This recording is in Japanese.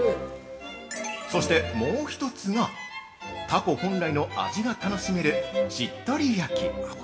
そして、もう一つがタコ本来の味が楽しめるしっとり焼き。